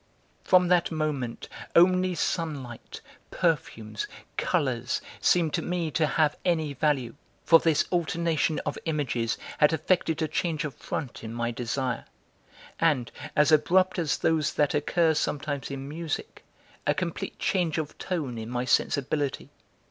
From that moment, only sunlight, perfumes, colours, seemed to me to have any value; for this alternation of images had effected a change of front in my desire, and as abrupt as those that occur sometimes in music, a complete change of tone in my sensibility.